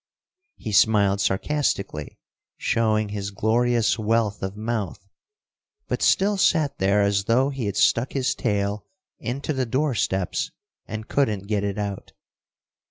He smiled sarcastically, showing his glorious wealth of mouth, but still sat there as though he had stuck his tail into the door steps and couldn't get it out.